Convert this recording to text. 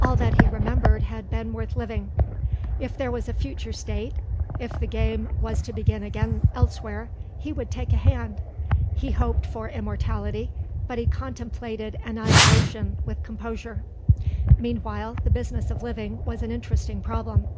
All that he remembered had been worth living. If there was a future state, if the game was to begin again elsewhere, he would take a hand. He hoped for immortality, but he contemplated annihilation with composure. Meanwhile the business of living was an interesting problem.